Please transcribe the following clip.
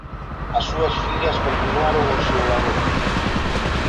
As súas fillas continuaron o seu labor.